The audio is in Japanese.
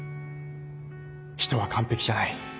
人は完璧じゃない。